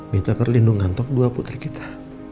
minta perlindungan untuk dua putri kita